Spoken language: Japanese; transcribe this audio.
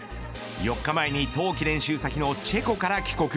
４日前に冬季練習先のチェコから帰国。